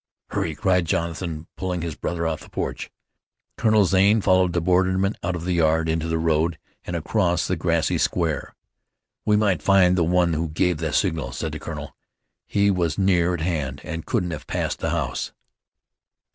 "Hurry," cried Jonathan, pulling his brother off the porch. Colonel Zane followed the borderman out of the yard, into the road, and across the grassy square. "We might find the one who gave the signal," said the colonel. "He was near at hand, and couldn't have passed the house."